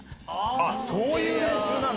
あっ、そういう練習なんだ？